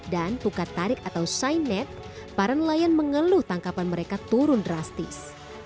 dan pukat tarik atau signet para nelayan mengeluh tangkapan mereka turun drastis